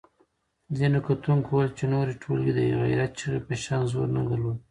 ځینو کتونکو وویل چې نورې ټولګې د غیرت چغې په شان زور نه درلود.